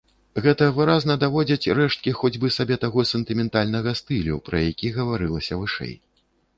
Гэта выразна даводзяць рэшткі хоць бы сабе таго сентыментальнага стылю, пра які гаварылася вышэй.